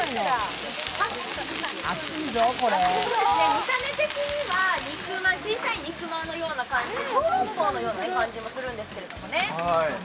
見た目的には小さい肉まんのような感じで小籠包のような感じもするんですけれども。